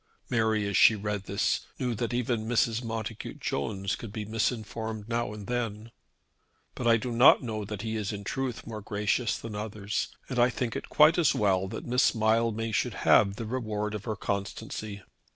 Mary, as she read this, knew that even Mrs. Montacute Jones could be misinformed now and then. "But I do not know that he is in truth more gracious than others, and I think it quite as well that Miss Mildmay should have the reward of her constancy."